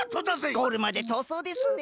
ゴールまでとおそうですね。